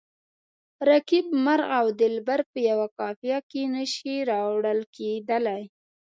رقیب، مرغ او دلبر په یوه قافیه کې نه شي راوړل کیدلای.